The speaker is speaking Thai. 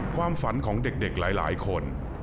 ความฝันของเด็กหลายคน